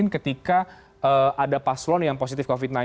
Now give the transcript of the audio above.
ketika ada paslon yang positif covid sembilan belas